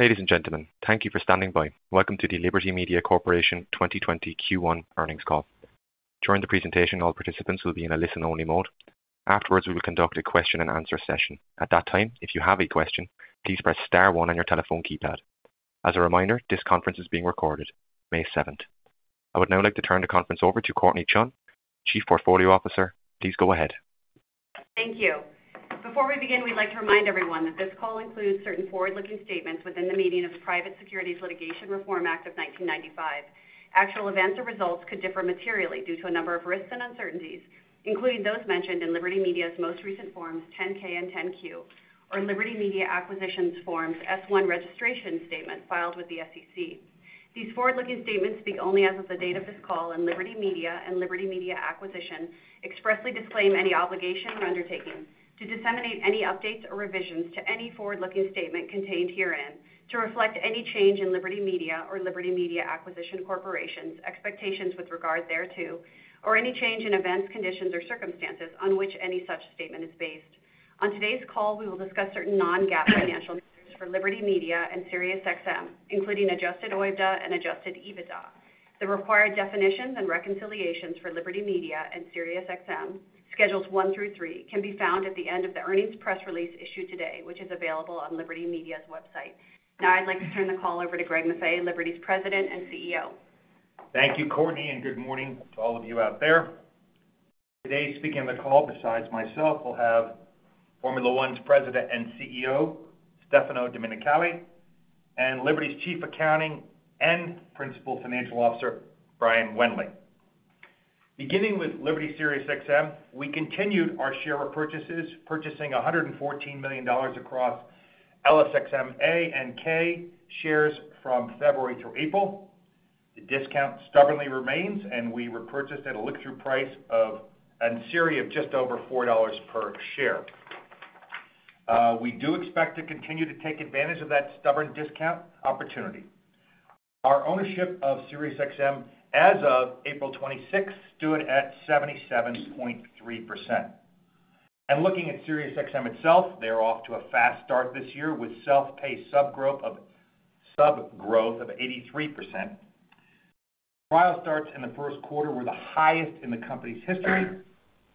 Ladies and gentlemen, thank you for standing by. Welcome to the Liberty Media Corporation 2020 Q1 earnings call. During the presentation, all participants will be in a listen-only mode. Afterwards, we will conduct a question-and-answer session. At that time, if you have a question, please press star one on your telephone keypad. As a reminder, this conference is being recorded. May 7th. I would now like to turn the conference over to Courtnee Chun, Chief Portfolio Officer. Please go ahead. Thank you. Before we begin, we'd like to remind everyone that this call includes certain forward-looking statements within the meaning of the Private Securities Litigation Reform Act of 1995. Actual events or results could differ materially due to a number of risks and uncertainties, including those mentioned in Liberty Media's most recent forms, 10-K and 10-Q, or Liberty Media Corporation forms, S-1 registration statement filed with the SEC. These forward-looking statements speak only as of the date of this call, and Liberty Media and Liberty Media Corporation expressly disclaim any obligation or undertaking to disseminate any updates or revisions to any forward-looking statement contained herein to reflect any change in Liberty Media or Liberty Media Corporation's expectations with regard thereto, or any change in events, conditions, or circumstances on which any such statement is based. On today's call, we will discuss certain non-GAAP financial measures for Liberty Media and Sirius XM, including Adjusted OIBDA and Adjusted EBITDA. The required definitions and reconciliations for Liberty Media and Sirius XM, schedules one through three, can be found at the end of the earnings press release issued today, which is available on Liberty Media's website. Now I'd like to turn the call over to Greg Maffei, Liberty's President and CEO. Thank you, Courtnee, good morning to all of you out there. Today, speaking on the call besides myself, we'll have Formula One's President and CEO, Stefano Domenicali, and Liberty's Chief Accounting and Principal Financial Officer, Brian Wendling. Beginning with Liberty Sirius XM, we continued our share repurchases, purchasing $114 million across LSXMA and K shares from February through April. The discount stubbornly remains, we repurchased at a look-through price of, and Sirius XM of just over $4 per share. We do expect to continue to take advantage of that stubborn discount opportunity. Our ownership of Sirius XM as of April 26 stood at 77.3%. Looking at Sirius XM itself, they're off to a fast start this year with self-pay sub growth of 83%. Trial starts in the first quarter were the highest in the company's history,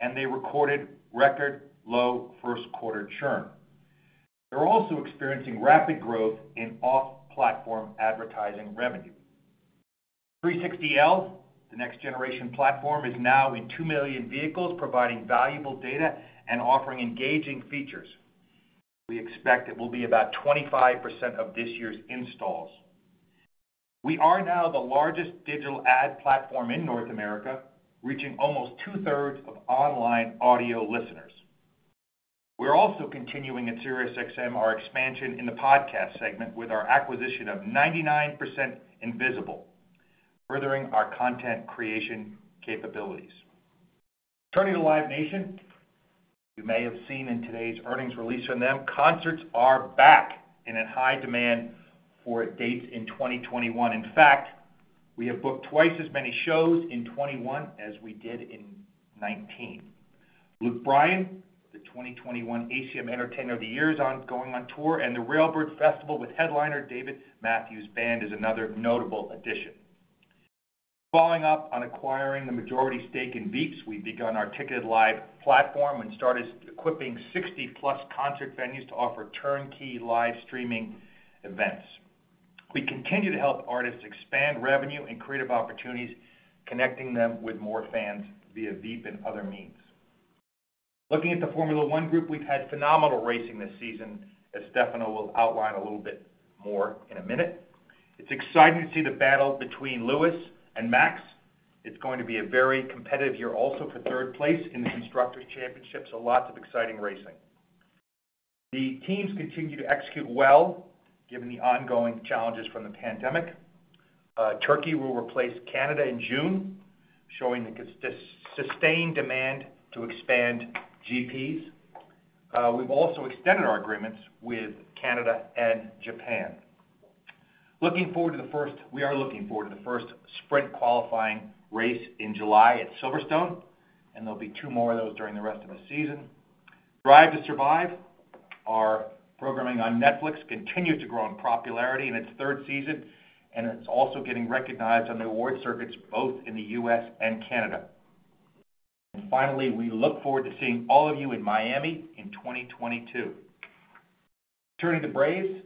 and they recorded record low first quarter churn. They're also experiencing rapid growth in off-platform advertising revenue. 360L, the next generation platform, is now in 2 million vehicles providing valuable data and offering engaging features. We expect it will be about 25% of this year's installs. We are now the largest digital ad platform in North America, reaching almost two-thirds of online audio listeners. We're also continuing at Sirius XM our expansion in the podcast segment with our acquisition of 99% Invisible, furthering our content creation capabilities. Turning to Live Nation, you may have seen in today's earnings release from them, concerts are back and in high demand for dates in 2021. In fact, we have booked twice as many shows in 2021 as we did in 2019. Luke Bryan, the 2021 ACM Entertainer of the Year is going on tour, the Railbird Festival with headliner Dave Matthews Band is another notable addition. Following up on acquiring the majority stake in VEEPS, we've begun our Ticketed Live platform and started equipping 60+ concert venues to offer turnkey live streaming events. We continue to help artists expand revenue and creative opportunities, connecting them with more fans via VEEPS and other means. Looking at the Formula One Group, we've had phenomenal racing this season, as Stefano will outline a little bit more in a minute. It's exciting to see the battle between Lewis and Max. It's going to be a very competitive year also for third place in the Constructors' Championship, so lots of exciting racing. The teams continue to execute well, given the ongoing challenges from the pandemic. Turkey will replace Canada in June, showing the sustained demand to expand GPs. We've also extended our agreements with Canada and Japan. We are looking forward to the first sprint qualifying race in July at Silverstone, and there'll be two more of those during the rest of the season. Drive to Survive, our programming on Netflix, continued to grow in popularity in its third season, and it's also getting recognized on the award circuits, both in the U.S. and Canada. Finally, we look forward to seeing all of you in Miami in 2022. Turning to Braves.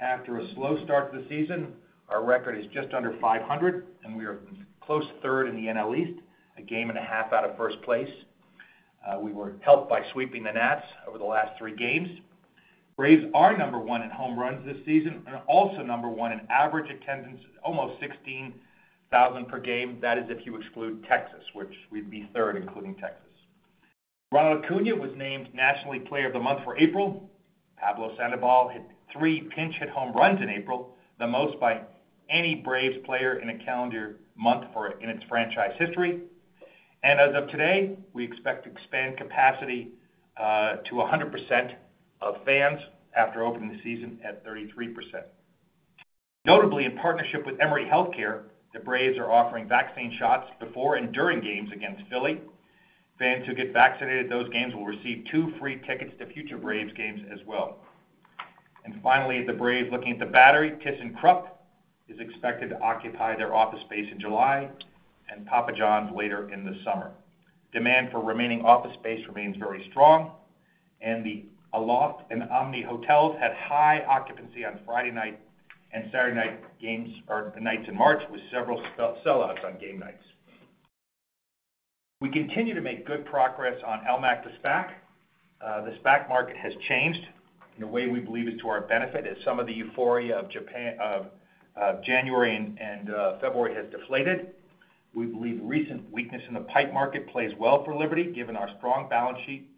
After a slow start to the season, our record is just under .500, and we are close to third in the NL East, a game and a half out of first place. We were helped by sweeping the Nats over the last three games. Braves are number one in home runs this season and also number one in average attendance, almost 16,000 per game. That is if you exclude Texas, which we'd be third, including Texas. Ronald Acuña was named National League Player of the Month for April. Pablo Sandoval hit three pinch hit home runs in April, the most by any Braves player in a calendar month in its franchise history. As of today, we expect to expand capacity to 100% of fans after opening the season at 33%. Notably, in partnership with Emory Healthcare, the Braves are offering vaccine shots before and during games against Philly. Fans who get vaccinated at those games will receive two free tickets to future Braves games as well. Finally, the Braves looking at The Battery, thyssenkrupp, is expected to occupy their office space in July, and Papa John's later in the summer. Demand for remaining office space remains very strong. The Aloft and Omni Hotels had high occupancy on Friday night and Saturday night games or nights in March, with several sell-outs on game nights. We continue to make good progress on LMAC, the SPAC. The SPAC market has changed in a way we believe is to our benefit, as some of the euphoria of January and February has deflated. We believe recent weakness in the PIPE market plays well for Liberty, given our strong balance sheet,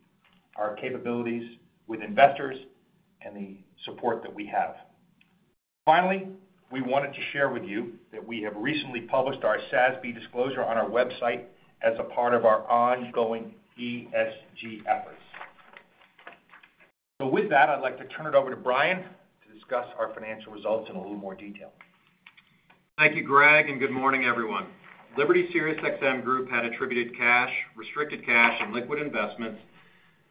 our capabilities with investors, and the support that we have. Finally, we wanted to share with you that we have recently published our SASB disclosure on our website as a part of our ongoing ESG efforts. With that, I'd like to turn it over to Brian to discuss our financial results in a little more detail. Thank you, Greg, and good morning, everyone. Liberty Sirius XM Group had attributed cash, restricted cash, and liquid investments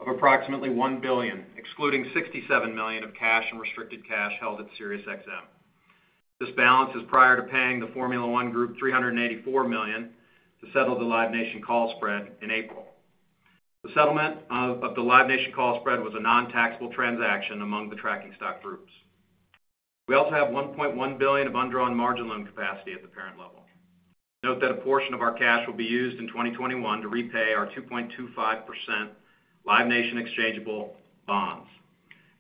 of approximately $1 billion, excluding $67 million of cash and restricted cash held at Sirius XM. This balance is prior to paying the Formula One Group $384 million to settle the Live Nation call spread in April. The settlement of the Live Nation call spread was a non-taxable transaction among the tracking stock groups. We also have $1.1 billion of undrawn margin loan capacity at the parent level. Note that a portion of our cash will be used in 2021 to repay our 2.25% Live Nation exchangeable bonds.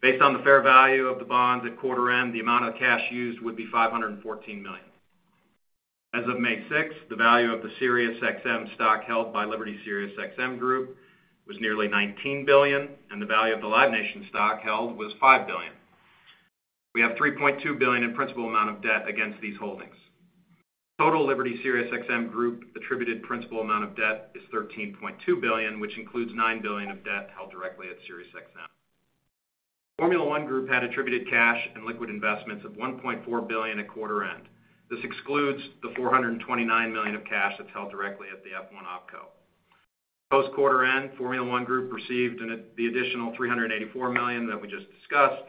Based on the fair value of the bonds at quarter end, the amount of cash used would be $514 million. As of May 6th, the value of the Sirius XM stock held by Liberty Sirius XM Group was nearly $19 billion, and the value of the Live Nation stock held was $5 billion. We have $3.2 billion in principal amount of debt against these holdings. Total Liberty Sirius XM Group attributed principal amount of debt is $13.2 billion, which includes $9 billion of debt held directly at Sirius XM. Formula One Group had attributed cash and liquid investments of $1.4 billion at quarter end. This excludes the $429 million of cash that's held directly at the F1 OpCo. Post quarter end, Formula One Group received the additional $384 million that we just discussed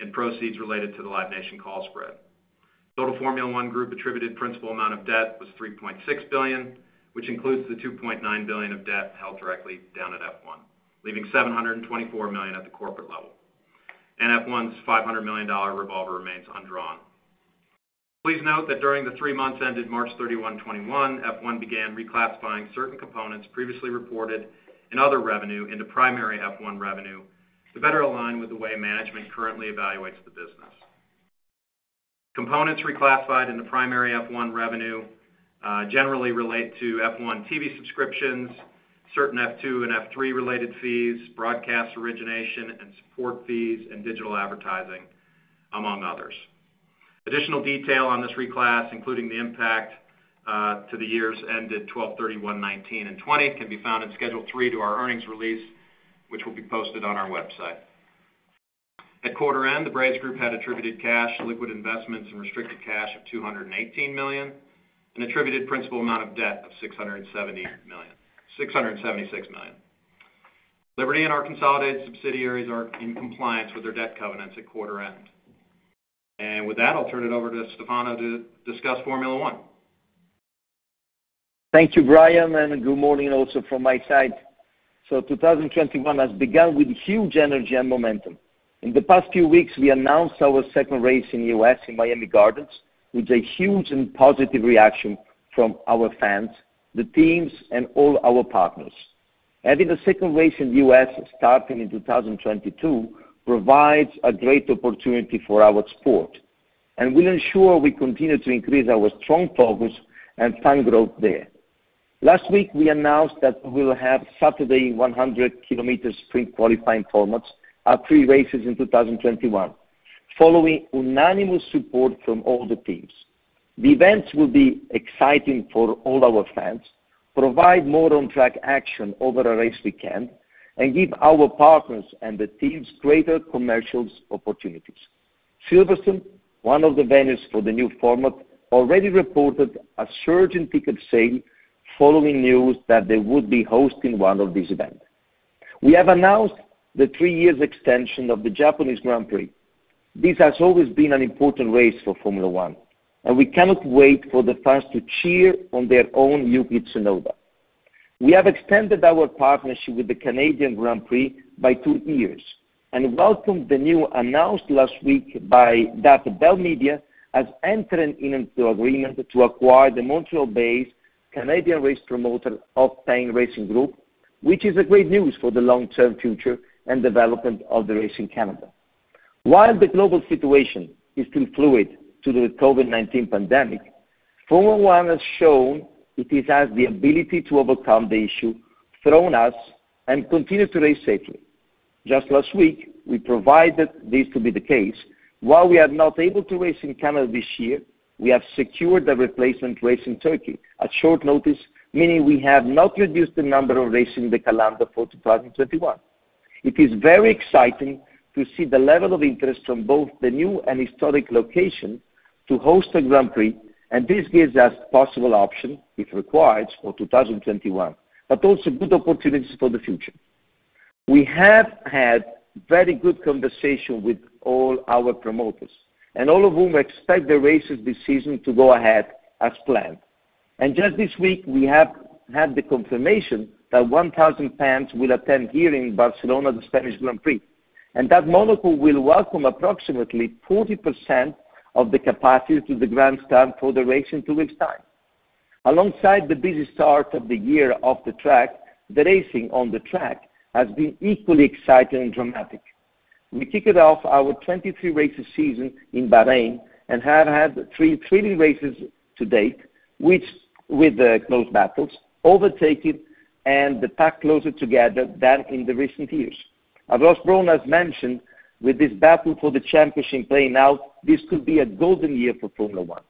in proceeds related to the Live Nation call spread. Total Formula One Group attributed principal amount of debt was $3.6 billion, which includes the $2.9 billion of debt held directly down at F1, leaving $724 million at the corporate level. F1's $500 million revolver remains undrawn. Please note that during the three months ended March 31, 2021, F1 began reclassifying certain components previously reported in other revenue into primary F1 revenue to better align with the way management currently evaluates the business. Components reclassified in the primary F1 revenue generally relate to F1 TV subscriptions, certain F2 and F3 related fees, broadcast origination and support fees, and digital advertising, among others. Additional detail on this reclass, including the impact to the years ended 12/31/2019 and 2020, can be found in Schedule 3 to our earnings release, which will be posted on our website. At quarter end, the Braves Group had attributed cash, liquid investments, and restricted cash of $218 million and attributed principal amount of debt of $676 million. Liberty and our consolidated subsidiaries are in compliance with their debt covenants at quarter end. With that, I'll turn it over to Stefano to discuss Formula One. Thank you, Brian, and good morning also from my side. 2021 has begun with huge energy and momentum. In the past few weeks, we announced our second race in the U.S. in Miami Gardens, with a huge and positive reaction from our fans, the teams, and all our partners. Adding a second race in the U.S. starting in 2022 provides a great opportunity for our sport, and will ensure we continue to increase our strong focus and fan growth there. Last week, we announced that we'll have Saturday 100-kilometer sprint qualifying formats at three races in 2021, following unanimous support from all the teams. The events will be exciting for all our fans, provide more on-track action over a race weekend, and give our partners and the teams greater commercial opportunities. Silverstone, one of the venues for the new format, already reported a surge in ticket sale following news that they would be hosting one of these events. We have announced the three-year extension of the Japanese Grand Prix. This has always been an important race for Formula One. We cannot wait for the fans to cheer on their own Yuki Tsunoda. We have extended our partnership with the Canadian Grand Prix by two years and welcome the news announced last week by Bell Media as entering into agreement to acquire the Montreal-based Canadian race promoter Octane Racing Group, which is a great news for the long-term future and development of the race in Canada. While the global situation is still fluid to the COVID-19 pandemic, Formula One has shown it has the ability to overcome the issue thrown at us and continue to race safely. Just last week, we provided this to be the case. While we are not able to race in Canada this year, we have secured a replacement race in Turkey at short notice, meaning we have not reduced the number of races in the calendar for 2021. It is very exciting to see the level of interest from both the new and historic locations to host a Grand Prix, and this gives us possible options, if required, for 2021, but also good opportunities for the future. We have had very good conversations with all our promoters, and all of whom expect the races this season to go ahead as planned. Just this week, we have had the confirmation that 1,000 fans will attend here in Barcelona, the Spanish Grand Prix, and that Monaco will welcome approximately 40% of the capacity to the grandstand for the race in two weeks' time. Alongside the busy start of the year off the track, the racing on the track has been equally exciting and dramatic. We kicked off our 23-race season in Bahrain and have had three thrilling races to date with close battles, overtaking, and the pack closer together than in the recent years. As Ross Brawn has mentioned, with this battle for the championship playing out, this could be a golden year for Formula One.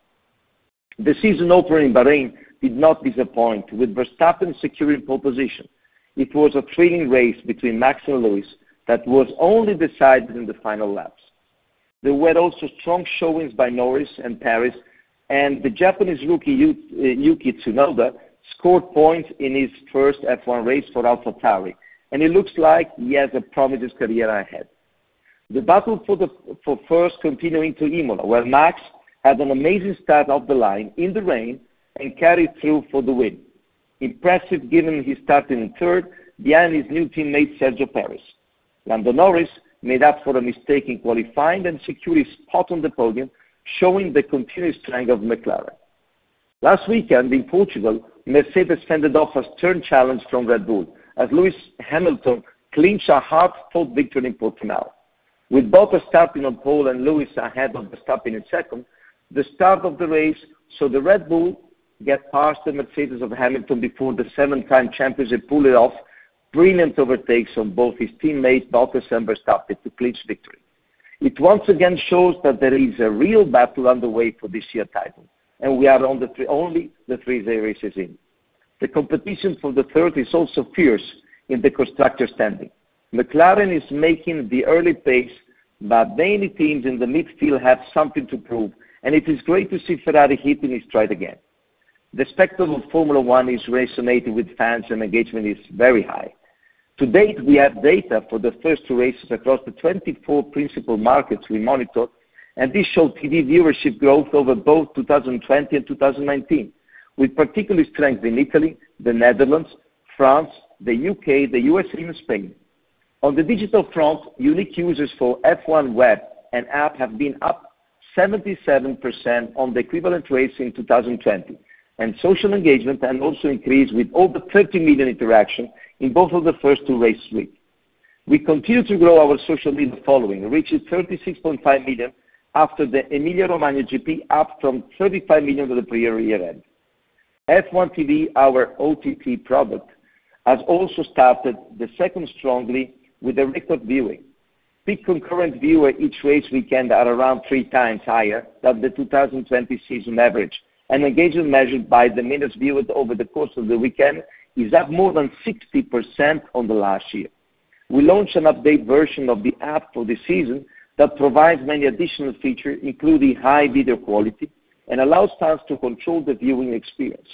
The season opener in Bahrain did not disappoint, with Verstappen securing pole position. It was a thrilling race between Max and Lewis that was only decided in the final laps. There were also strong showings by Norris and Perez, and the Japanese rookie Yuki Tsunoda scored points in his first F1 race for AlphaTauri, and it looks like he has a promising career ahead. The battle for first continuing to Imola, where Max had an amazing start off the line in the rain and carried through for the win. Impressive given he started in third behind his new teammate, Sergio Pérez. Lando Norris made up for a mistake in qualifying and secured a spot on the podium, showing the continued strength of McLaren. Last weekend in Portugal, Mercedes fended off a stern challenge from Red Bull as Lewis Hamilton clinched a hard-fought victory in Portugal. With Bottas starting on pole and Lewis ahead of Verstappen in second, the start of the race saw the Red Bull get past the Mercedes of Hamilton before the seven-time champion pulled off brilliant overtakes on both his teammate, Bottas, and Verstappen to clinch victory. It once again shows that there is a real battle underway for this year's title, and we are only three races in. The competition for the third is also fierce in the constructor standing. McLaren is making the early pace, but many teams in the midfield have something to prove, and it is great to see Ferrari hitting its stride again. The spectacle of Formula One is resonating with fans, and engagement is very high. To date, we have data for the first two races across the 24 principal markets we monitor, and this shows TV viewership growth over both 2020 and 2019, with particular strength in Italy, the Netherlands, France, the U.K., the USA, and Spain. On the digital front, unique users for F1 web and app have been up 77% on the equivalent rates in 2020, and social engagement has also increased with over 30 million interactions in both of the first two race weeks. We continue to grow our social media following, reaching 36.5 million after the Emilia Romagna GP, up from 35 million at the prior year end. F1 TV, our OTT product, has also started the second strongly with a record viewing. Peak concurrent viewers each race weekend are around three times higher than the 2020 season average, and engagement measured by the minutes viewed over the course of the weekend is up more than 60% on last year. We launched an updated version of the app for the season that provides many additional features, including high video quality, and allows fans to control the viewing experience.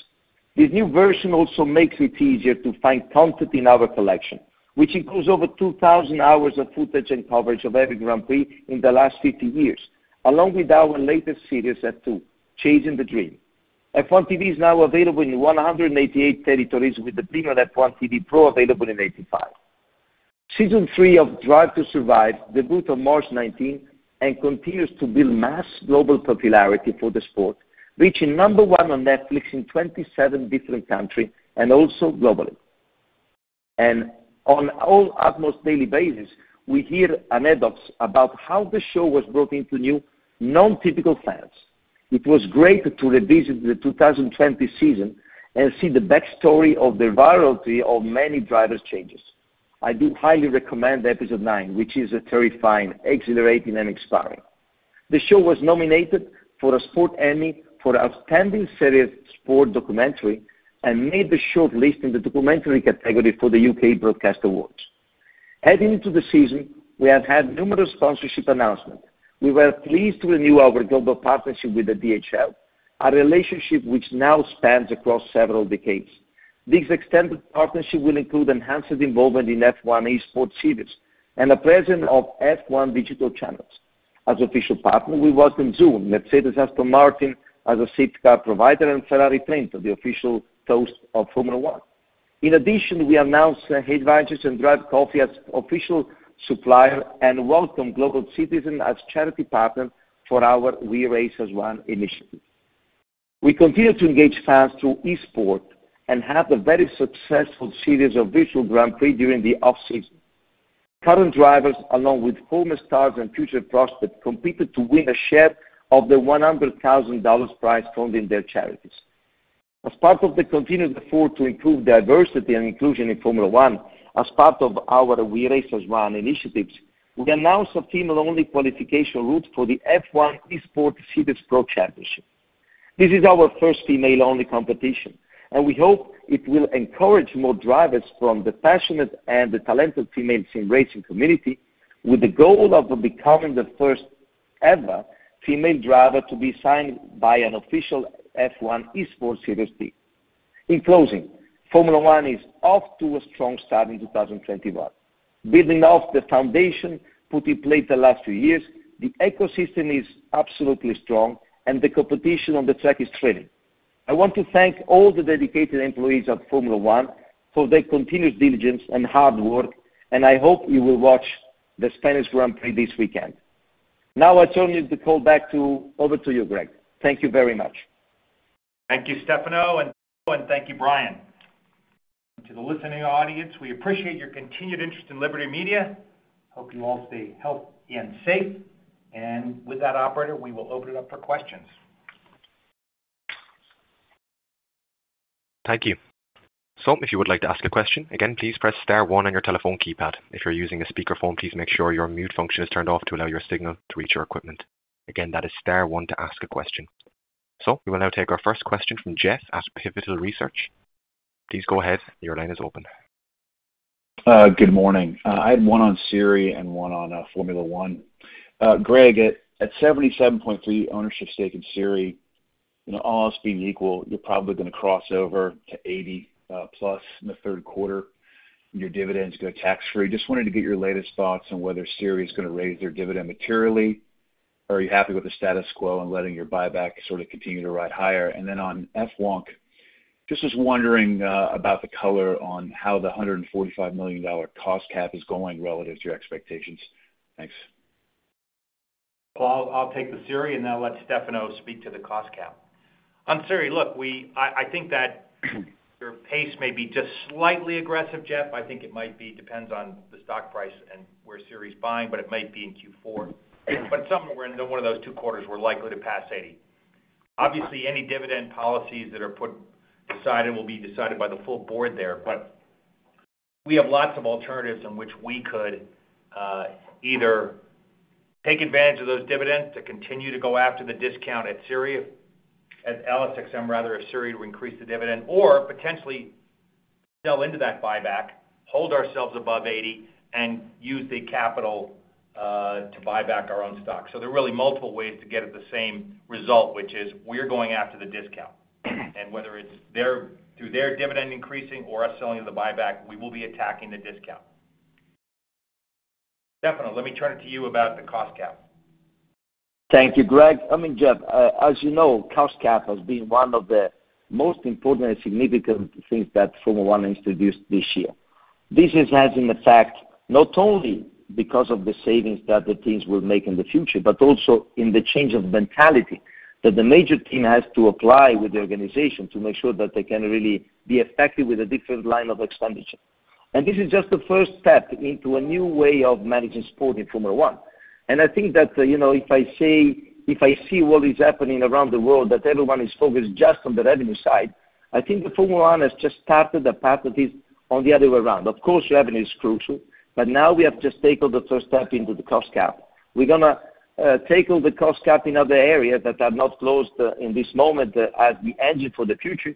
This new version also makes it easier to find content in our collection, which includes over 2,000 hours of footage and coverage of every Grand Prix in the last 50 years, along with our latest series, F2: Chasing the Dream. F1 TV is now available in 188 territories, with the premium F1 TV Pro available in 85. Season 3 of Drive to Survive debuted on March 19th and continues to build mass global popularity for the sport, reaching number 1 on Netflix in 27 different countries and also globally. On an almost daily basis, we hear anecdotes about how the show has brought in new, non-typical fans. It was great to revisit the 2020 season and see the backstory of the virality of many driver changes. I do highly recommend episode nine, which is terrifying, exhilarating, and inspiring. The show was nominated for a Sports Emmy for Outstanding Series Sport Documentary and made the short list in the documentary category for the U.K. Broadcast Awards. Heading into the season, we have had numerous sponsorship announcements. We were pleased to renew our global partnership with DHL, a relationship which now spans across several decades. This extended partnership will include enhanced involvement in F1 Esports Series and the presence of F1 digital channels. As official partners, we welcome Zoom, Mercedes Aston Martin as a safety car provider, and Ferrari Trento, the official toast of Formula One. In addition, we announced Head & Shoulders and Drive Coffee as official suppliers and welcomed Global Citizen as charity partner for our We Race as One initiative. We continue to engage fans through esports and had a very successful series of virtual Grand Prix during the off-season. Current drivers, along with former stars and future prospects, competed to win a share of the $100,000 prize fund in their charities. As part of the continued effort to improve diversity and inclusion in Formula One, as part of our We Race as One initiatives, we announced a female-only qualification route for the F1 Esports Series Pro Championship. This is our first female-only competition, and we hope it will encourage more drivers from the passionate and the talented female sim racing community with the goal of becoming the first-ever female driver to be signed by an official F1 Esports Series team. In closing, Formula One is off to a strong start in 2021. Building off the foundation put in place the last few years, the ecosystem is absolutely strong and the competition on the track is thrilling. I want to thank all the dedicated employees of Formula One for their continuous diligence and hard work, and I hope you will watch the Spanish Grand Prix this weekend. Now I turn the call back over to you, Greg. Thank you very much. Thank you, Stefano, thank you, Brian. To the listening audience, we appreciate your continued interest in Liberty Media. Hope you all stay healthy and safe. With that, operator, we will open it up for questions. Thank you. If you would like to ask a question, again, please press star one on your telephone keypad. If you're using a speakerphone, please make sure your mute function is turned off to allow your signal to reach our equipment. Again, that is star one to ask a question. We will now take our first question from Jeff at Pivotal Research. Please go ahead. Your line is open. Good morning. I had one on Sirius XM and one on Formula One. Greg, at 77.3 ownership stake in Sirius XM, all else being equal, you're probably going to cross over to 80+ in the third quarter, and your dividends go tax-free. Just wanted to get your latest thoughts on whether Sirius XM is going to raise their dividend materially. Are you happy with the status quo and letting your buyback sort of continue to ride higher? On F1, just was wondering about the color on how the $145 million cost cap is going relative to your expectations. Thanks. Well, I'll take the Sirius XM, and then I'll let Stefano speak to the cost cap. On Sirius XM, look, I think that their pace may be just slightly aggressive, Jeff. I think it might be, depends on the stock price and where Sirius XM's buying, but it might be in Q4. Somewhere in one of those two quarters, we're likely to pass 80. Obviously, any dividend policies that are put aside and will be decided by the full board there, but we have lots of alternatives in which we could either take advantage of those dividends to continue to go after the discount at Sirius XM, at LSXM rather, if Sirius XM were to increase the dividend. Potentially sell into that buyback, hold ourselves above 80 and use the capital to buy back our own stock. There are really multiple ways to get at the same result, which is we're going after the discount. Whether it's through their dividend increasing or us selling the buyback, we will be attacking the discount. Stefano, let me turn it to you about the cost cap. Thank you, Greg. I mean, Jeff, as you know, cost cap has been one of the most important and significant things that Formula One introduced this year. This has had an effect, not only because of the savings that the teams will make in the future, but also in the change of mentality that the major team has to apply with the organization to make sure that they can really be effective with a different line of expenditure. This is just the first step into a new way of managing sport in Formula One. I think that, if I see what is happening around the world, that everyone is focused just on the revenue side. I think that Formula One has just started a path that is on the other way around. Of course, revenue is crucial, now we have just taken the first step into the cost cap. We're going to take all the cost cap in other areas that are not closed in this moment as the engine for the future.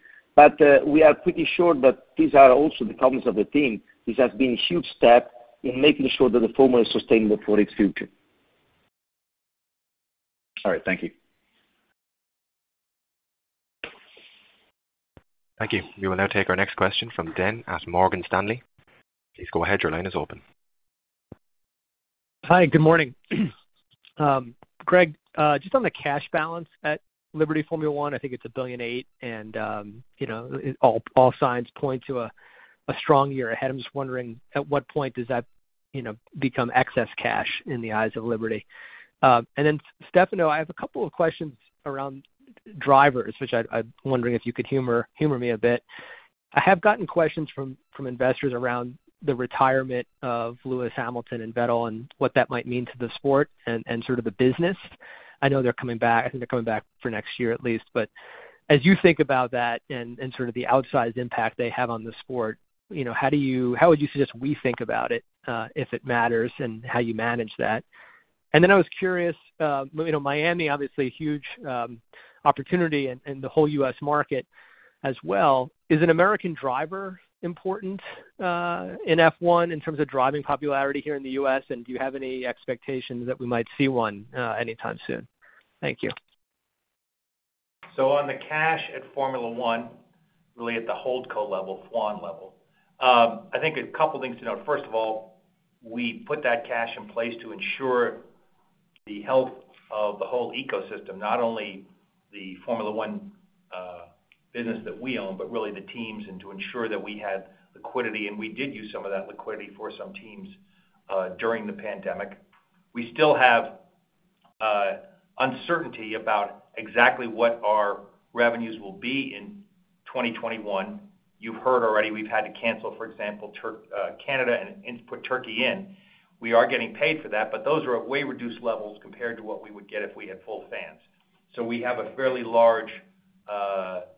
We are pretty sure that these are also the problems of the team. This has been a huge step in making sure that the Formula is sustainable for its future. All right. Thank you. Thank you. We will now take our next question from Dan at Morgan Stanley. Please go ahead. Your line is open. Hi. Good morning. Greg, just on the cash balance at Liberty Formula One, I think it's $1.8 billion and all signs point to a strong year ahead. I'm just wondering at what point does that become excess cash in the eyes of Liberty? Then Stefano, I have a couple of questions around drivers, which I'm wondering if you could humor me a bit. I have gotten questions from investors around the retirement of Lewis Hamilton and Vettel and what that might mean to the sport and sort of the business. I know they're coming back. I think they're coming back for next year at least. As you think about that and sort of the outsized impact they have on the sport, how would you suggest we think about it, if it matters, and how you manage that? I was curious, Miami, obviously a huge opportunity and the whole U.S. market as well. Is an American driver important in F1 in terms of driving popularity here in the U.S., and do you have any expectations that we might see one anytime soon? Thank you. On the cash at Formula One, really at the holdco level, FWON level, I think a couple things to note. First of all, we put that cash in place to ensure the health of the whole ecosystem, not only the Formula One business that we own, but really the teams and to ensure that we had liquidity, and we did use some of that liquidity for some teams during the pandemic. We still have uncertainty about exactly what our revenues will be in 2021. You've heard already, we've had to cancel, for example, Canada and put Turkey in. We are getting paid for that, but those are at way reduced levels compared to what we would get if we had full fans. We have a fairly large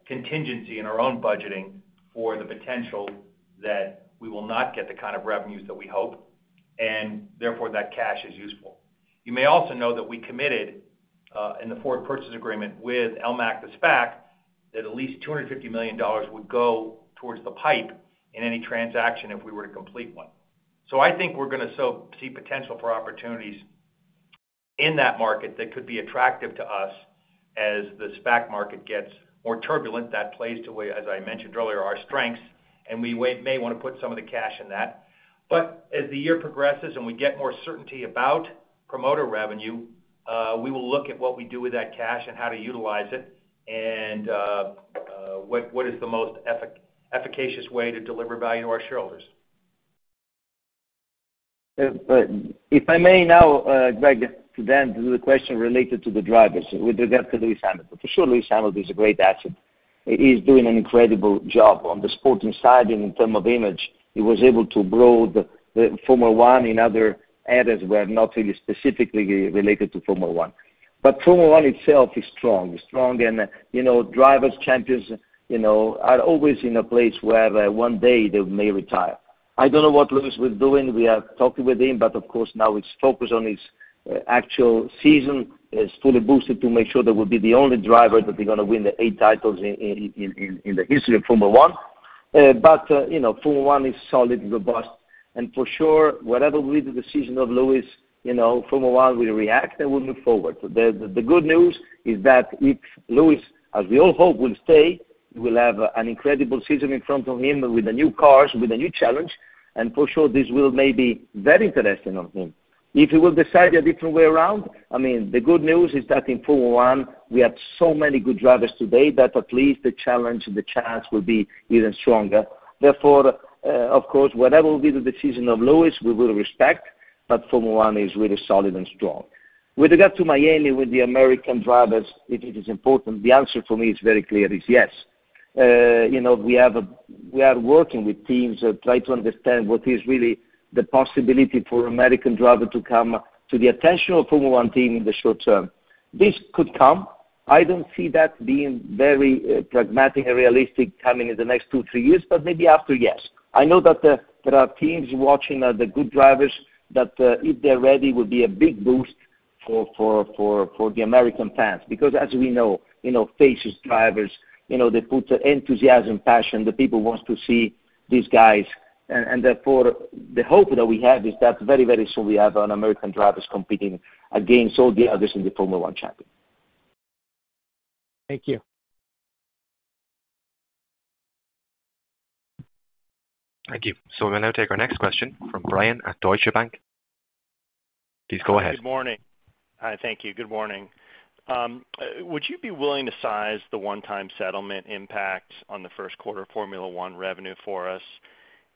contingency in our own budgeting for the potential that we will not get the kind of revenues that we hope, and therefore, that cash is useful. You may also know that we committed, in the forward purchase agreement with LMAC, the SPAC, that at least $250 million would go towards the PIPE in any transaction if we were to complete one. I think we're going to see potential for opportunities in that market that could be attractive to us as the SPAC market gets more turbulent. That plays to, as I mentioned earlier, our strengths, and we may want to put some of the cash in that. As the year progresses and we get more certainty about promoter revenue, we will look at what we do with that cash and how to utilize it, and what is the most efficacious way to deliver value to our shareholders. If I may now, Greg, to the question related to the drivers with regard to Lewis Hamilton. For sure, Lewis Hamilton is a great asset. He's doing an incredible job on the sporting side and in terms of image. He was able to grow the Formula One in other areas where not really specifically related to Formula One. Formula One itself is strong. Drivers, champions, are always in a place where one day they may retire. I don't know what Lewis will doing. We are talking with him, but of course, now it's focused on his actual season. He's fully boosted to make sure that will be the only driver that is going to win the eight titles in the history of Formula One. Formula One is solid and robust. For sure, whatever will be the decision of Lewis, Formula One will react, and we'll move forward. The good news is that if Lewis, as we all hope, will stay, he will have an incredible season in front of him with the new cars, with a new challenge, and for sure, this will may be very interesting of him. If he will decide a different way around, the good news is that in Formula One, we have so many good drivers today that at least the challenge and the chance will be even stronger. Of course, whatever will be the decision of Lewis, we will respect, but Formula One is really solid and strong. With regard to Miami, with the American drivers, if it is important, the answer for me is very clear, is yes. We are working with teams, try to understand what is really the possibility for American driver to come to the attention of Formula One team in the short term. This could come. I don't see that being very pragmatic and realistic coming in the next two, three years, but maybe after, yes. I know that there are teams watching the good drivers that, if they're ready, will be a big boost for the American fans. As we know, faces, drivers, they put enthusiasm, passion. The people wants to see these guys. Therefore, the hope that we have is that very soon we have an American drivers competing against all the others in the Formula One Championship. Thank you. Thank you. We'll now take our next question from Bryan Kraft at Deutsche Bank. Please go ahead. Good morning. Hi, thank you. Good morning. Would you be willing to size the one-time settlement impact on the first quarter Formula One revenue for us?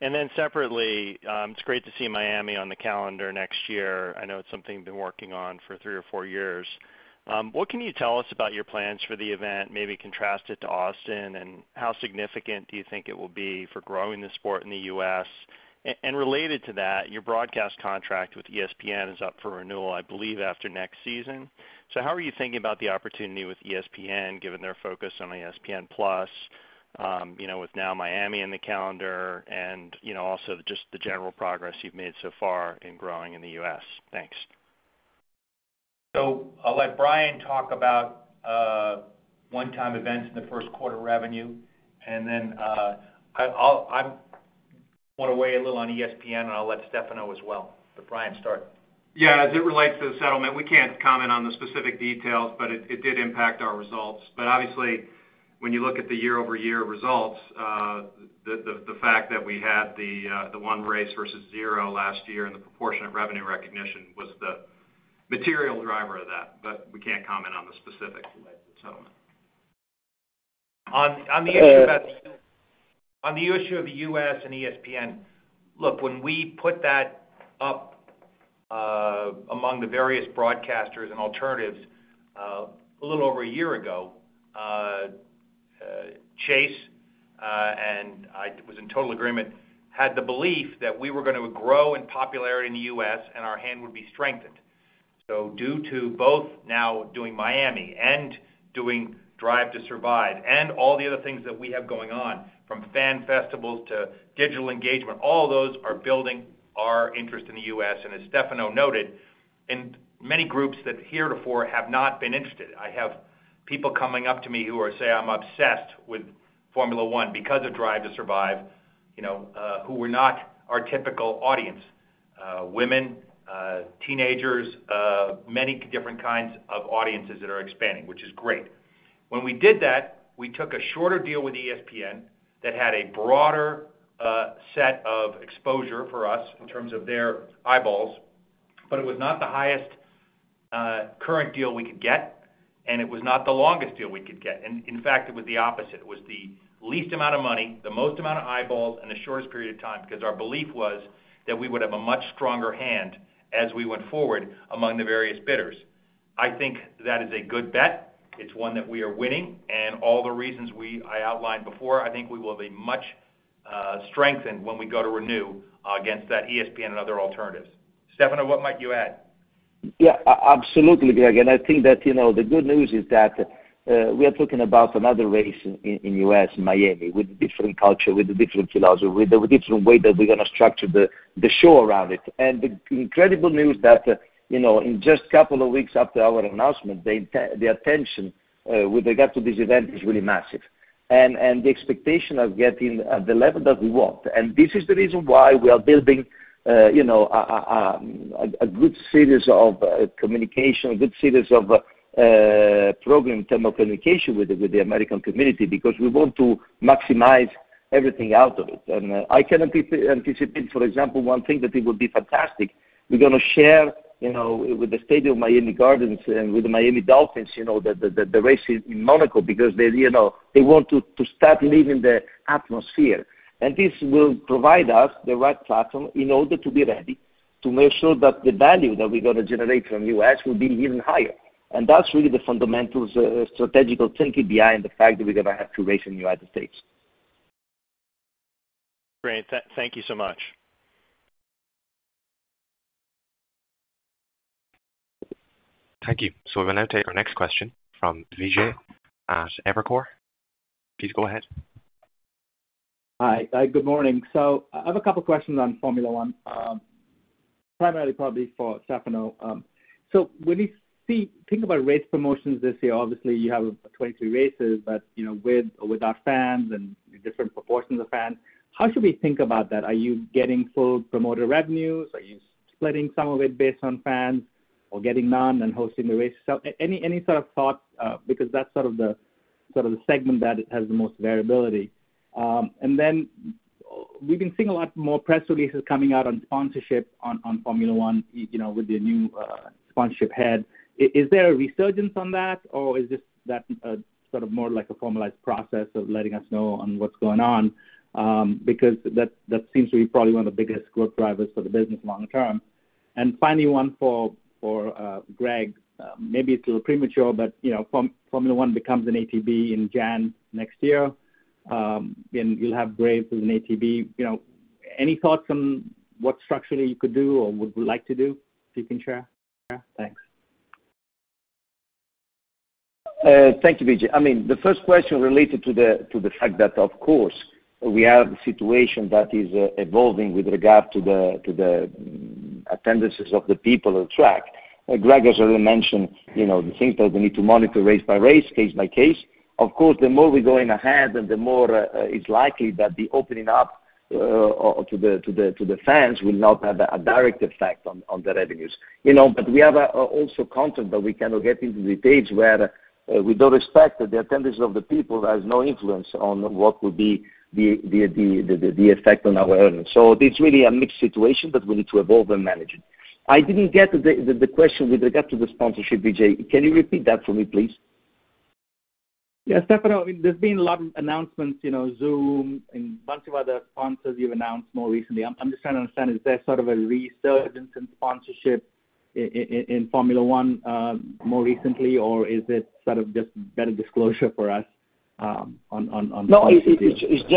Then separately, it's great to see Miami on the calendar next year. I know it's something you've been working on for three or four years. What can you tell us about your plans for the event, maybe contrast it to Austin, and how significant do you think it will be for growing the sport in the U.S.? Related to that, your broadcast contract with ESPN is up for renewal, I believe, after next season. How are you thinking about the opportunity with ESPN, given their focus on ESPN+, with now Miami in the calendar and also just the general progress you've made so far in growing in the U.S.? Thanks. I'll let Brian Wendling talk about one-time events in the first quarter revenue. Then I want to weigh a little on ESPN. I'll let Stefano Domenicali as well. Brian Wendling, start. Yeah, as it relates to the settlement, we can't comment on the specific details, but it did impact our results. Obviously, when you look at the year-over-year results, the fact that we had the one race versus zero last year and the proportionate revenue recognition was the material driver of that. We can't comment on the specifics related to settlement. On the issue of the U.S. and ESPN, look, when we put that up among the various broadcasters and alternatives a little over a year ago, Chase and I was in total agreement, had the belief that we were going to grow in popularity in the U.S., our hand would be strengthened. Due to both now doing Miami and doing Drive to Survive and all the other things that we have going on, from fan festivals to digital engagement, all those are building our interest in the U.S. As Stefano noted, in many groups that heretofore have not been interested. I have people coming up to me who say, "I'm obsessed with Formula One because of Drive to Survive," who were not our typical audience. Women, teenagers, many different kinds of audiences that are expanding, which is great. When we did that, we took a shorter deal with ESPN that had a broader set of exposure for us in terms of their eyeballs. It was not the highest current deal we could get, and it was not the longest deal we could get. In fact, it was the opposite. It was the least amount of money, the most amount of eyeballs in the shortest period of time, because our belief was that we would have a much stronger hand as we went forward among the various bidders. I think that is a good bet. It's one that we are winning, and all the reasons I outlined before, I think we will be much strengthened when we go to renew against that ESPN and other alternatives. Stefano, what might you add? Yeah, absolutely, Greg. I think that the good news is that we are talking about another race in U.S., Miami, with different culture, with a different philosophy, with a different way that we're going to structure the show around it. The incredible news that in just a couple of weeks after our announcement, the attention with regard to this event is really massive. The expectation of getting at the level that we want. This is the reason why we are building a good series of communication, a good series of program in terms of communication with the American community, because we want to maximize everything out of it. I can anticipate, for example, one thing that it would be fantastic, we're going to share with the stadium Miami Gardens and with the Miami Dolphins, the race in Monaco because they want to start living the atmosphere. This will provide us the right platform in order to be ready to make sure that the value that we're going to generate from U.S. will be even higher. That's really the fundamental strategical thinking behind the fact that we're going to have two race in United States. Great. Thank you so much. Thank you. We'll now take our next question from Vijay at Evercore. Please go ahead. Hi. Good morning. I have a couple questions on Formula One, primarily probably for Stefano. When you think about race promotions this year, obviously you have 23 races, but with or without fans and different proportions of fans, how should we think about that? Are you getting full promoter revenues? Are you splitting some of it based on fans or getting none and hosting the race? Any sort of thought, because that's sort of the segment that has the most variability. We've been seeing a lot more press releases coming out on sponsorship on Formula One with the new sponsorship head. Is there a resurgence on that, or is this that sort of more like a formalized process of letting us know on what's going on? That seems to be probably one of the biggest growth drivers for the business long term. Finally, one for Greg. Maybe it's a little premature, Formula One becomes an ATB in January next year. You'll have Braves as an ATB. Any thoughts on what structurally you could do or would like to do, if you can share? Thanks. Thank you, Vijay. The first question related to the fact that, of course, we have a situation that is evolving with regard to the attendances of the people at track. Greg has already mentioned the things that we need to monitor race by race, case by case. The more we're going ahead and the more it's likely that the opening up to the fans will not have a direct effect on the revenues. We have also content that we cannot get into the stage where with all respect, the attendance of the people has no influence on what would be the effect on our earnings. It's really a mixed situation, but we need to evolve and manage it. I didn't get the question with regard to the sponsorship, Vijay. Can you repeat that for me, please? Yeah, Stefano, there's been a lot of announcements, Zoom and bunch of other sponsors you've announced more recently. I'm just trying to understand, is there sort of a resurgence in sponsorship in Formula One more recently, or is it sort of just better disclosure for us. No, it's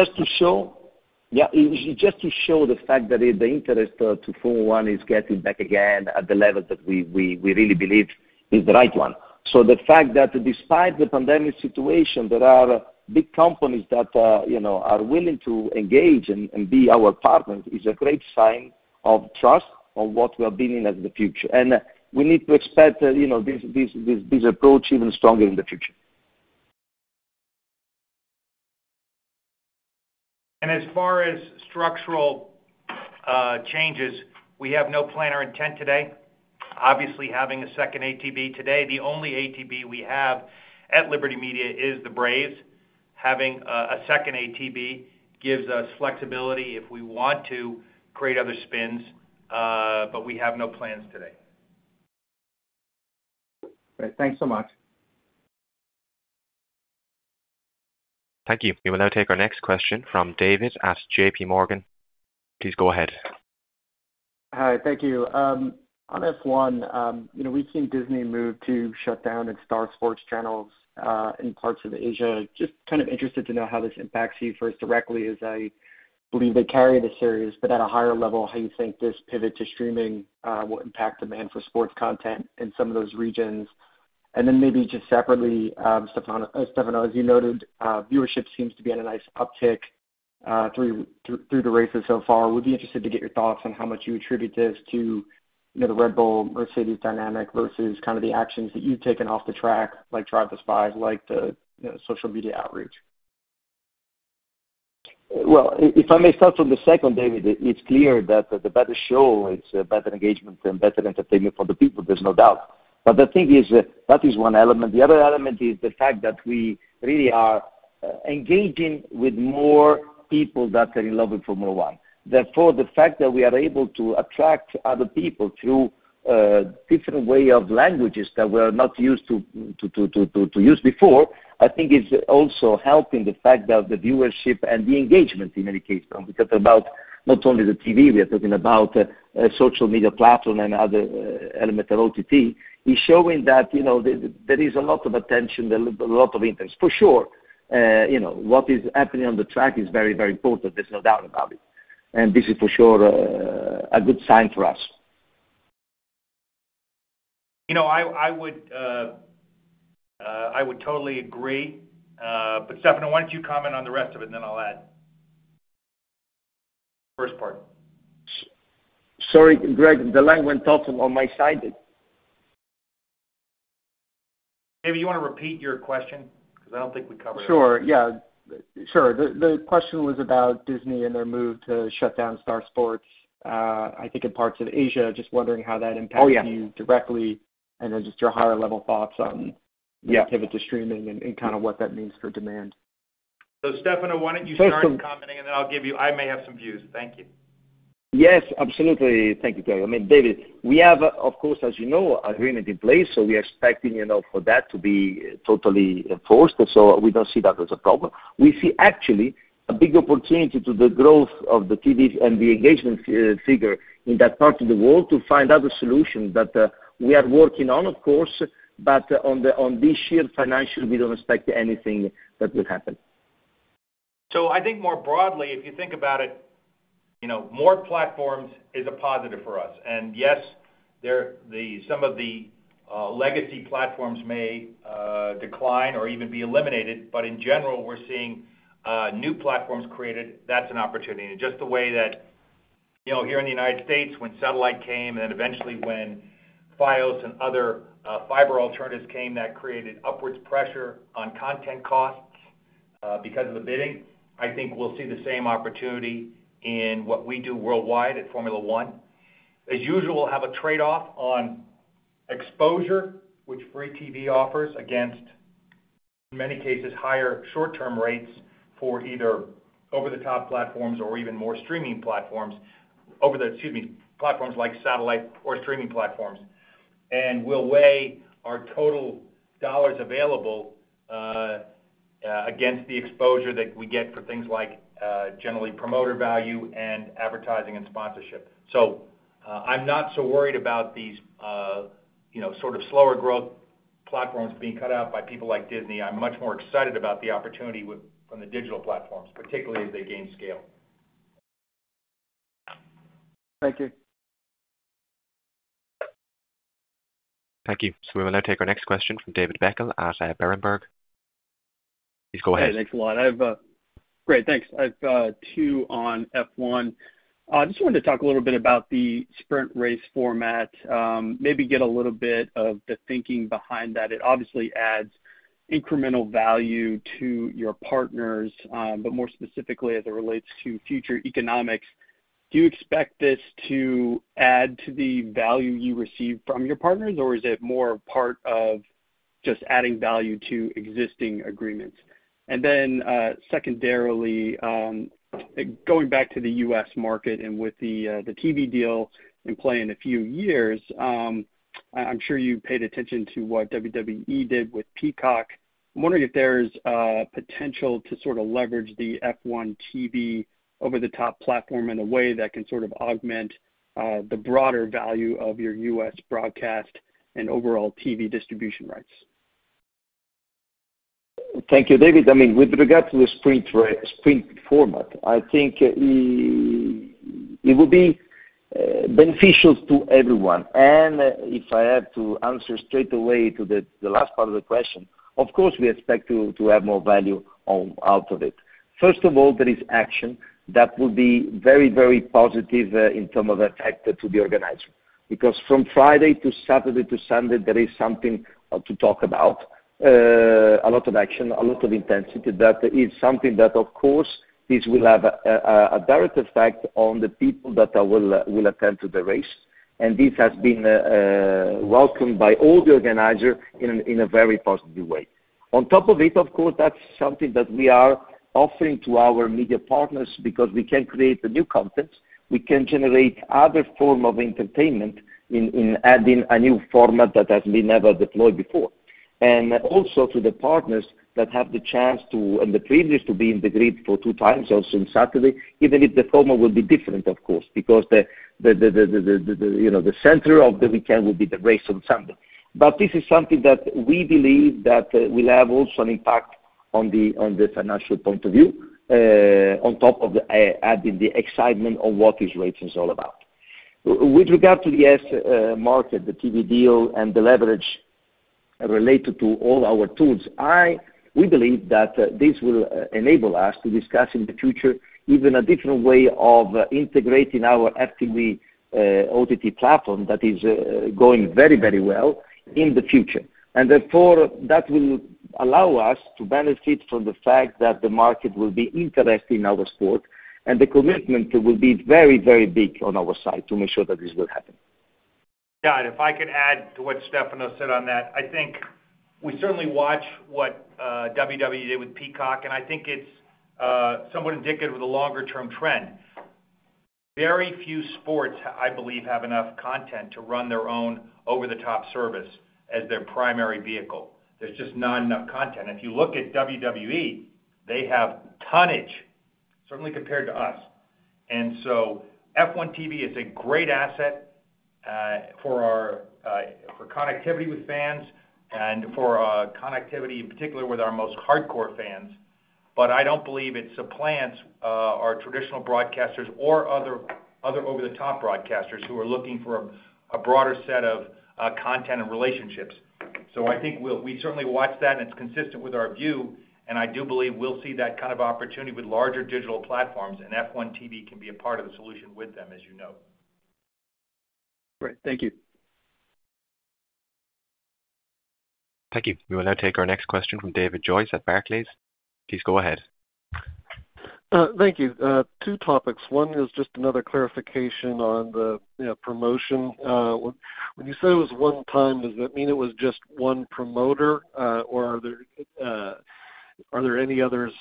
just to show the fact that the interest to Formula One is getting back again at the level that we really believe is the right one. The fact that despite the pandemic situation, there are big companies that are willing to engage and be our partners is a great sign of trust on what we are building as the future. We need to expect this approach even stronger in the future. As far as structural changes, we have no plan or intent today. Obviously, having a second ATB today, the only ATB we have at Liberty Media is the Braves. Having a second ATB gives us flexibility if we want to create other spins, but we have no plans today. Great. Thanks so much. Thank you. We will now take our next question from David at JPMorgan. Please go ahead. Hi, thank you. On F1, we've seen Disney move to shut down its Star Sports channels in parts of Asia. Interested to know how this impacts you first directly, as I believe they carry the series, but at a higher level, how you think this pivot to streaming will impact demand for sports content in some of those regions. Maybe separately, Stefano, as you noted, viewership seems to be at a nice uptick through the races so far. Would be interested to get your thoughts on how much you attribute this to the Red Bull-Mercedes dynamic versus the actions that you've taken off the track, like Drive to Survive, like the social media outreach. Well, if I may start from the second, David, it's clear that the better show, it's a better engagement and better entertainment for the people. There's no doubt. The thing is that is one element. The other element is the fact that we really are engaging with more people that are in love with Formula One. Therefore, the fact that we are able to attract other people through different way of languages that we're not used to use before, I think is also helping the fact that the viewership and the engagement in many cases, because about not only the TV, we are talking about social media platform and other element of OTT, is showing that there is a lot of attention, a lot of interest. For sure, what is happening on the track is very, very important. There's no doubt about it. This is for sure a good sign for us. I would totally agree. Stefano, why don't you comment on the rest of it, and then I'll add. First part. Sorry, Greg, the line went off on my side. David, you want to repeat your question? Because I don't think we covered it all. Sure. The question was about Disney and their move to shut down Star Sports I think in parts of Asia. Just wondering how that impacts- Oh, yeah. you directly, and then just your higher level thoughts. Yeah the pivot to streaming and kind of what that means for demand. Stefano, why don't you start commenting and then I may have some views. Thank you. Yes, absolutely. Thank you, Greg. David, we have, of course, as you know, agreement in place, so we are expecting for that to be totally enforced. We don't see that as a problem. We see actually a big opportunity to the growth of the TVs and the engagement figure in that part of the world to find other solutions that we are working on, of course. On this year, financially, we don't expect anything that will happen. I think more broadly, if you think about it, more platforms is a positive for us. Yes, some of the legacy platforms may decline or even be eliminated, but in general, we're seeing new platforms created. That's an opportunity. The way that here in the U.S., when satellite came, eventually when Fios and other fiber alternatives came, that created upwards pressure on content costs because of the bidding. I think we'll see the same opportunity in what we do worldwide at Formula One. Usually, we'll have a trade-off on exposure, which free TV offers, against, in many cases, higher short-term rates for either over-the-top platforms or even more streaming platforms. Excuse me, platforms like satellite or streaming platforms. We'll weigh our total dollars available against the exposure that we get for things like generally promoter value and advertising and sponsorship. I'm not so worried about these sort of slower growth platforms being cut out by people like Disney. I'm much more excited about the opportunity from the digital platforms, particularly as they gain scale. Thank you. Thank you. We will now take our next question from David Beckel at Berenberg. Please go ahead. Hey, thanks a lot. Great, thanks. I've two on F1. Just wanted to talk a little bit about the sprint race format. Maybe get a little bit of the thinking behind that. It obviously adds incremental value to your partners. More specifically, as it relates to future economics, do you expect this to add to the value you receive from your partners, or is it more a part of just adding value to existing agreements? Secondarily, going back to the U.S. market and with the TV deal in play in a few years. I'm sure you paid attention to what WWE did with Peacock. I'm wondering if there's potential to sort of leverage the F1 TV over the top platform in a way that can sort of augment the broader value of your U.S. broadcast and overall TV distribution rights. Thank you, David. With regard to the sprint format, I think it will be beneficial to everyone. If I had to answer straight away to the last part of the question, of course, we expect to have more value out of it. First of all, there is action that will be very positive in terms of effect to the organizers. From Friday to Saturday to Sunday, there is something to talk about. A lot of action, a lot of intensity. That is something that, of course, this will have a direct effect on the people that will attend the race. This has been welcomed by all the organizers in a very positive way. On top of it, of course, that's something that we are offering to our media partners because we can create new content. We can generate other form of entertainment in adding a new format that has been never deployed before. Also to the partners that have the chance to, and the privilege to be in the grid for two times also on Saturday, even if the format will be different, of course, because the center of the weekend will be the race on Sunday. This is something that we believe that will have also an impact on the financial point of view, on top of adding the excitement of what this racing is all about. With regard to the U.S. market, the TV deal, and the leverage related to all our tools, we believe that this will enable us to discuss in the future even a different way of integrating our F1 TV OTT platform that is going very well in the future. Therefore, that will allow us to benefit from the fact that the market will be interested in our sport. The commitment will be very big on our side to make sure that this will happen. Yeah. If I could add to what Stefano said on that, I think we certainly watch what WWE did with Peacock, and I think it's somewhat indicative of the longer-term trend. Very few sports, I believe, have enough content to run their own over-the-top service as their primary vehicle. There's just not enough content. If you look at WWE, they have tonnage, certainly compared to us. F1 TV is a great asset for connectivity with fans and for connectivity in particular with our most hardcore fans. I don't believe it supplants our traditional broadcasters or other over-the-top broadcasters who are looking for a broader set of content and relationships. I think we certainly watch that and it's consistent with our view, and I do believe we'll see that kind of opportunity with larger digital platforms, and F1 TV can be a part of the solution with them, as you know. Great. Thank you. Thank you. We will now take our next question from David Joyce at Barclays. Please go ahead. Thank you. Two topics. One is just another clarification on the promotion. When you say it was one time, does that mean it was just one promoter or are there any others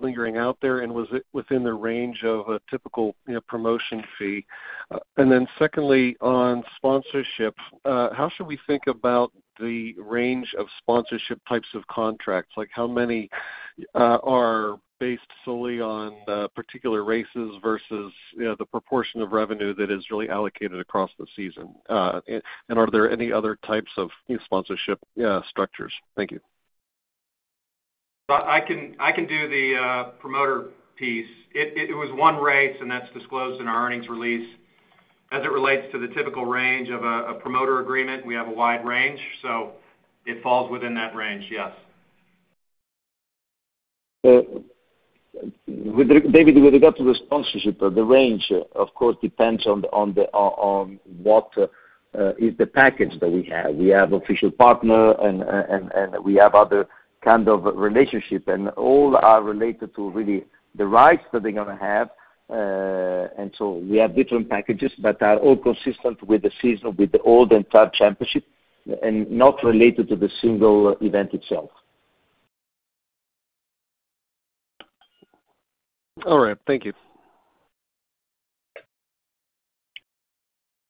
lingering out there, and was it within the range of a typical promotion fee? Secondly, on sponsorships, how should we think about the range of sponsorship types of contracts? How many are based solely on particular races versus the proportion of revenue that is really allocated across the season? Are there any other types of sponsorship structures? Thank you. I can do the promoter piece. It was one race. That's disclosed in our earnings release. As it relates to the typical range of a promoter agreement, we have a wide range. It falls within that range, yes. David, with regard to the sponsorship, the range, of course, depends on what is the package that we have. We have official partner and we have other kind of relationship, all are related to really the rights that they're going to have. We have different packages, but are all consistent with the season, with all the club championship, and not related to the single event itself. All right. Thank you.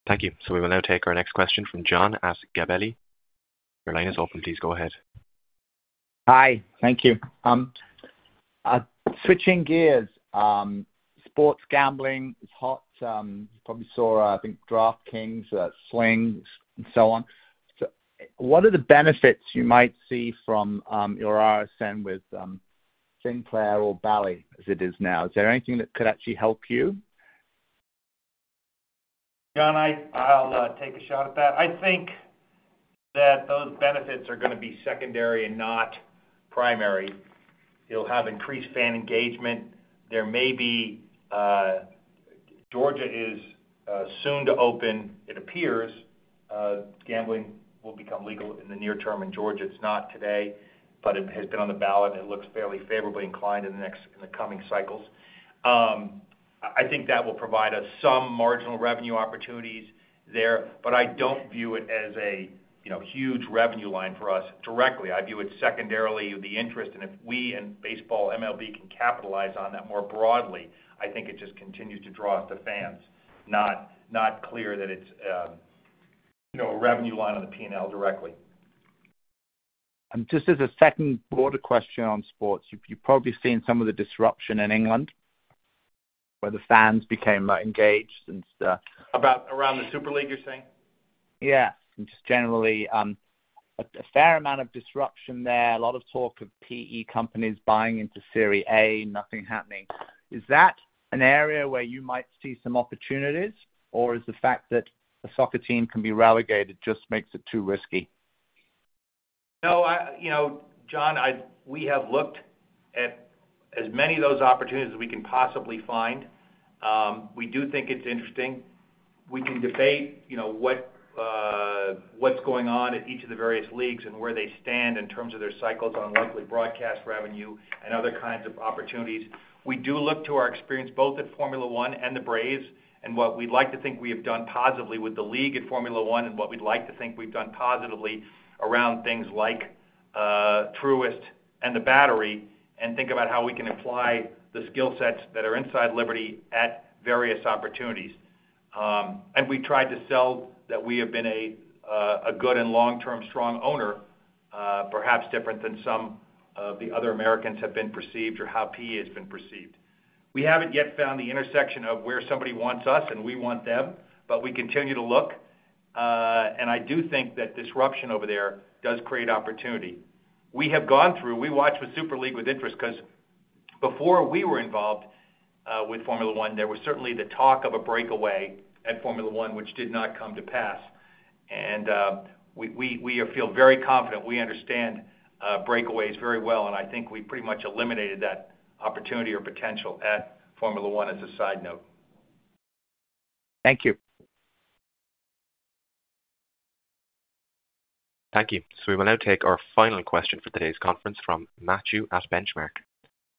Thank you. We will now take our next question from John at Gabelli. Your line is open. Please go ahead. Hi. Thank you. Switching gears. Sports gambling is hot. You probably saw, I think DraftKings, Swing and so on. What are the benefits you might see from your RSN with Sinclair or Bally as it is now? Is there anything that could actually help you? John, I'll take a shot at that. I think that those benefits are going to be secondary and not primary. You'll have increased fan engagement. There may be, Georgia is soon to open, it appears, gambling will become legal in the near term in Georgia. It's not today, but it has been on the ballot, and it looks fairly favorably inclined in the coming cycles. I think that will provide us some marginal revenue opportunities there, but I don't view it as a huge revenue line for us directly. I view it secondarily the interest, and if we and baseball MLB can capitalize on that more broadly, I think it just continues to draw us the fans. Not clear that it's a revenue line on the P&L directly. Just as a second broader question on sports, you've probably seen some of the disruption in England where the fans became engaged. About around the Super League you're saying? Yeah, just generally, a fair amount of disruption there. A lot of talk of PE companies buying into Serie A, nothing happening. Is that an area where you might see some opportunities, or is the fact that a soccer team can be relegated just makes it too risky? No, John, we have looked at as many of those opportunities as we can possibly find. We do think it's interesting. We can debate what's going on at each of the various leagues and where they stand in terms of their cycles on monthly broadcast revenue and other kinds of opportunities. We do look to our experience both at Formula One and the Braves and what we'd like to think we have done positively with the league at Formula One and what we'd like to think we've done positively around things like Truist and The Battery and think about how we can apply the skill sets that are inside Liberty at various opportunities. We tried to sell that we have been a good and long-term strong owner, perhaps different than some of the other Americans have been perceived or how PE has been perceived. We haven't yet found the intersection of where somebody wants us and we want them, but we continue to look. I do think that disruption over there does create opportunity. We watched the Super League with interest because before we were involved with Formula One, there was certainly the talk of a breakaway at Formula One, which did not come to pass. We feel very confident. We understand breakaways very well, and I think we pretty much eliminated that opportunity or potential at Formula One as a side note. Thank you. Thank you. We will now take our final question for today's conference from Matthew at Benchmark.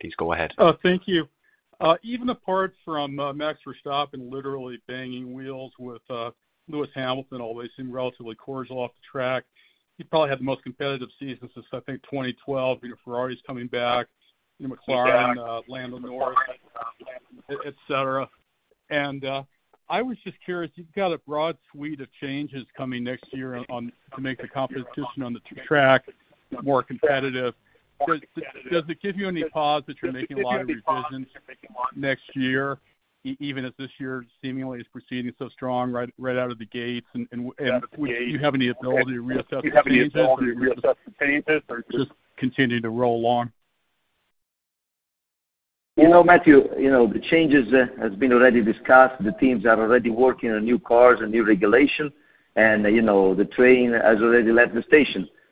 Please go ahead. Oh, thank you. Even apart from Max Verstappen literally banging wheels with Lewis Hamilton, although they seem relatively cordial off the track, he probably had the most competitive season since I think 2012. Ferrari's coming back, McLaren, Lando Norris, et cetera. I was just curious, you've got a broad suite of changes coming next year to make the competition on the track more competitive. Does it give you any pause that you're making a lot of these decisions next year, even if this year seemingly is proceeding so strong right out of the gates? Would you have any incentive to reassess the changes, or just continue to roll on? Well, Matthew, the changes have been already discussed. The teams are already working on new cars and new regulations, the train has already left the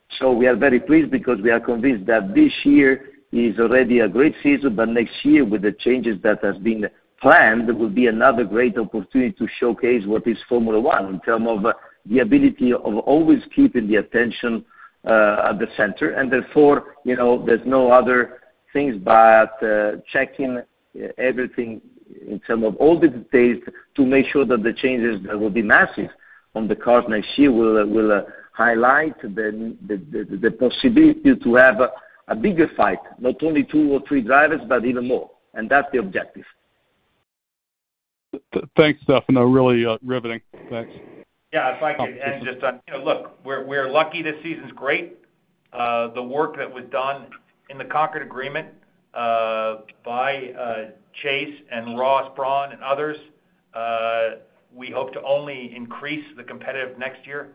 station. We are very pleased because we are convinced that this year is already a great season, but next year, with the changes that have been planned, will be another great opportunity to showcase what is Formula One in terms of the ability of always keeping the attention at the center. Therefore, there's no other things but checking everything in terms of all the details to make sure that the changes will be massive on the cars next year, will highlight the possibility to have a bigger fight, not only two or three drivers, but even more. That's the objective. Thanks, Stefano. Really riveting. Thanks. Yeah, thank you. Just look, we're lucky this season's great. The work that was done in the Concorde Agreement by Chase and Ross Brawn and others, we hope to only increase the competitive next year.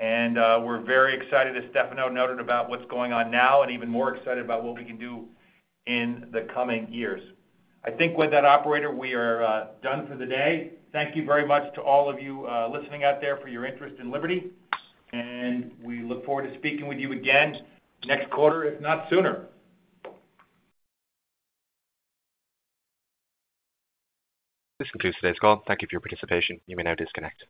We're very excited, as Stefano noted, about what's going on now and even more excited about what we can do in the coming years. I think with that, operator, we are done for the day. Thank you very much to all of you listening out there for your interest in Liberty, and we look forward to speaking with you again next quarter, if not sooner. This concludes today's call. Thank you for your participation. You may now disconnect.